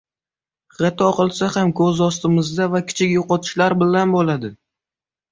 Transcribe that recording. xato qilsa ham ko‘z ostimizda va kichik yo‘qotishlar bilan bo‘ladi;